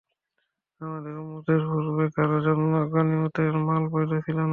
আমাদের উম্মতের পূর্বে কারোর জন্য গনীমতের মাল বৈধ ছিল না।